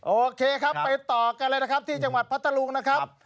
โอเคครับไปต่อกันเลยนะครับที่จังหวัดพัทธรุงนะครับ